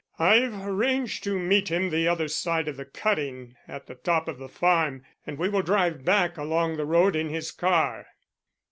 "I've arranged to meet him the other side of the cutting at the top of the farm, and we will drive back along the road in his car."